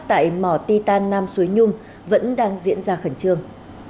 tại mỏ titan nam suối nhung vẫn đang diễn ra khẩn trương